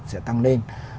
sẽ tăng lên